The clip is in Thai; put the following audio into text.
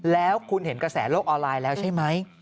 แล้วคุณเห็นกระแสโลกออนไลน์แล้วใช่ไหม